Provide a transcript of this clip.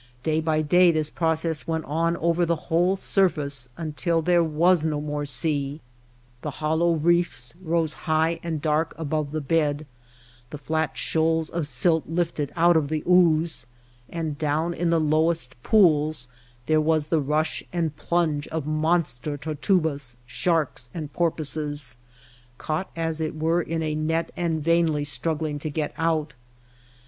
Day by day this process went on over the whole surface until there was no more sea. The hollow reefs rose high and dark above the bed, the flat shoals of silt lifted out of the ooze, and down in the lowest pools there was the rush and plunge of monster tortuabas, sharks and porpoises, caught as it were in a net and vainly struggling to get out.